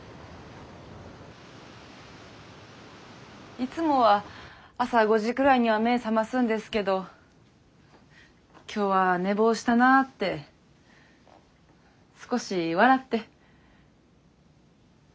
いつもは朝５時くらいには目覚ますんですけど今日は寝坊したなあって少し笑って。